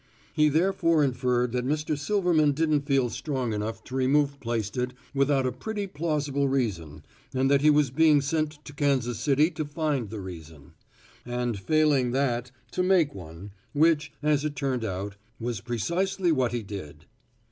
He therefore inferred that Silverman didn't feel strong enough to remove Plaisted without a pretty plausible reason and that he was being sent to Kansas City to find the reason; and failing that, to make one, which, as it turned out, was precisely what he did.